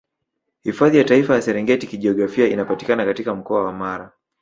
Hifadhi ya Taifa ya Serengeti Kijiografia inapatikana katika Mkoa wa Mara